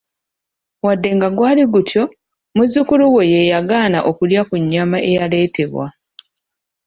Wadde nga gwali gutyo, muzzukulu we ye yagaana okulya ku nnyama eyaleetebwa.